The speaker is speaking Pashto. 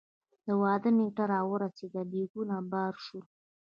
د واده نېټه را ورسېده ديګونه بار شول.